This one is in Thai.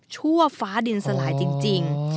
ชั่วฟ้าดินสลายจริง